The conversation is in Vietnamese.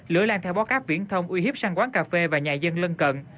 lửa lan theo bó cáp viễn thông uy hiếp sang quán cà phê và nhà dân lân cận